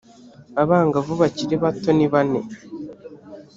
abangavu bakiri bato nibane